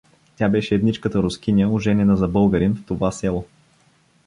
Тя беше едничката рускиня, оженена за българин в това село.